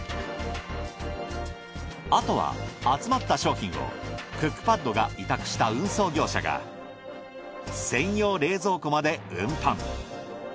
あとは集まった商品をクックパッドが委託した運送業者が専用冷蔵庫まで運搬。